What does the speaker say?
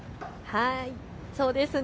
そうですね。